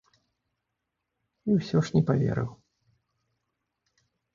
І ўсё ж не паверыў.